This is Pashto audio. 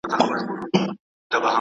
ماسته د معدې لپاره ولي ګټوره ده؟